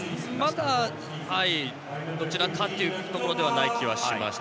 まだどちらかというところではない気がします。